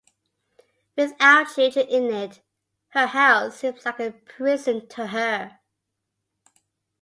Without children in it, her house seems like a prison to her.